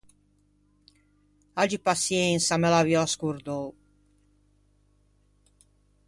Aggi paçiensa, me l’aviò ascordou.